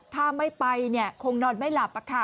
ถ้าไม่ไปเนี่ยคงนอนไม่หลับอ่ะค่ะ